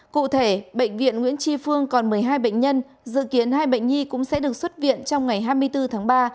cụ thể bệnh viện nguyễn tri phương còn một mươi hai bệnh nhân dự kiến hai bệnh nhi cũng sẽ được xuất viện trong ngày hai mươi bốn tháng ba